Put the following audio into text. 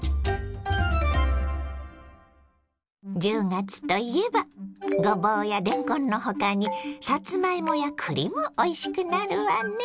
１０月といえばごぼうやれんこんの他にさつまいもやくりもおいしくなるわね。